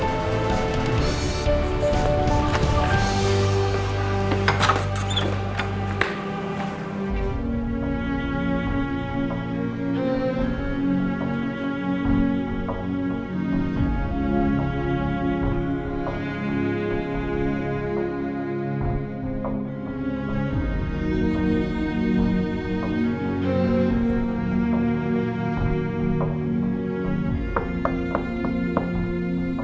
sampai jumpa lagi